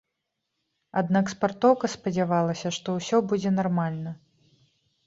Аднак спартоўка спадзявалася, што ўсё будзе нармальна.